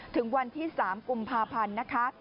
ถึงวันที่๓กุมภาพันธ์นะคะ